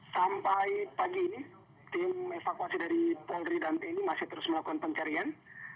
sampai pagi ini tim evakuasi dari polri dan tni masih terus melakukan pencarian